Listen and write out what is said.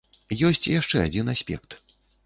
Ёсць яшчэ адзін аспект.